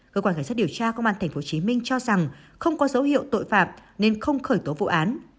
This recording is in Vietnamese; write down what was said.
cơ quan cảnh sát điều tra công an tp hcm cho rằng không có dấu hiệu tội phạm nên không khởi tố vụ án